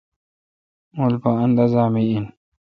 مُل پا اندازا می این۔